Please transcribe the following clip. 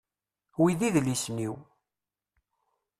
Wi d idlisen-iw.